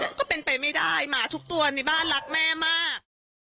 ก็เป็นไปไม่ได้หมาทุกตัวในบ้านรักแม่มาก